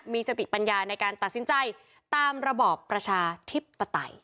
มีสติปัญญาในการตัดสินใจตามระบอบประชาธิปไตย